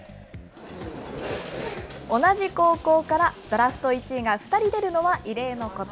同じ高校からドラフト１位が２人出るのは異例のこと。